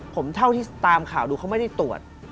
ผมเท่าที่ตามข่าวดูเขาไม่ได้ตรวจ